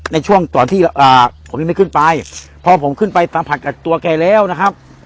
ในช่วงตอนที่ผมยังไม่ขึ้นไปพอผมขึ้นไปสัมผัสกับตัวแกแล้วนะครับ